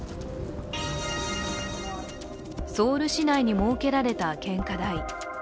ソウル市内に設けられた献花台。